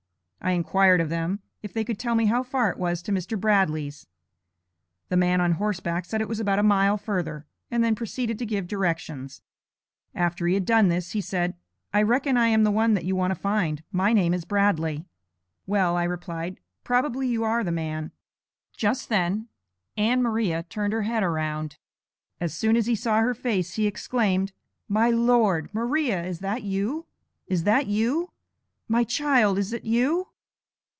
I inquired of them, if they could tell me how far it was to Mr. Bradley's. The man on horseback said it was about a mile further, and then proceeded to give directions. After he had done this, he said: 'I reckon I am the one that you want to find, my name is Bradley.' Well, I replied, probably you are the man. Just then Ann Maria turned her head around. As soon as he saw her face, he exclaimed: 'My Lord! Maria, is that you? Is that you? My child, is it you?